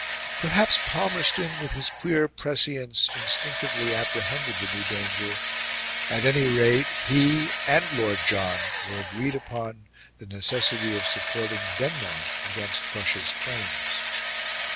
Perhaps Palmerston, with his queer prescience, instinctively apprehended the new danger; at any rate, he and Lord John were agreed upon the necessity of supporting Denmark against Prussia's claims.